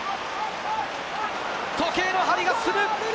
時計の針が進む。